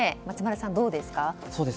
松丸さん、どうですか？